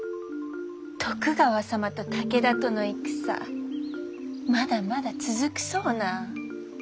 徳川様と武田との戦まだまだ続くそうな。